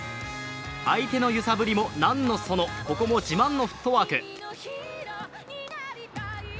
相手の揺さぶりも何のその、ここも自慢のフットワーク。